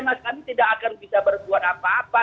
nah kami tidak akan bisa berbuat apa apa